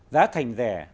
giá thành rẻ